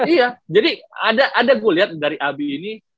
iya jadi ada gue lihat dari abi ini